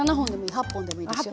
８本でもいいですよ。